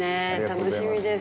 楽しみです。